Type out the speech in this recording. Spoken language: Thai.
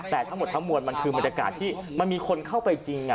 แต่ทั้งหมดทั้งมวลมันคือบรรยากาศที่มันมีคนเข้าไปจริง